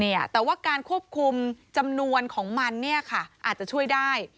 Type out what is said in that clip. แต่ว่าการควบคุมจำนวนของมันเนี่ยค่ะอาจจะช่วยได้